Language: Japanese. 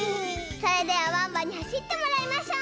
それではワンワンにはしってもらいましょう！